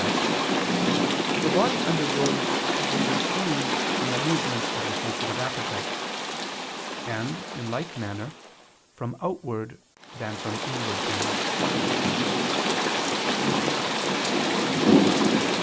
5), the body undergoes a greater change from the movement of the sensitive appetite: and, in like manner, from outward than from inward pain.